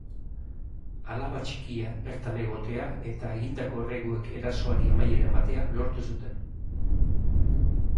Alaba txikia bertan egotea eta egindako erreguek erasoari amaiera ematea lortu zuten.